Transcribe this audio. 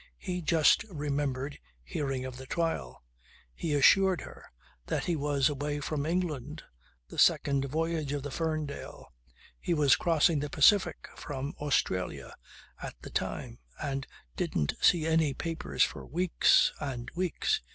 He just remembered hearing of the trial. He assured her that he was away from England, the second voyage of the Ferndale. He was crossing the Pacific from Australia at the time and didn't see any papers for weeks and weeks.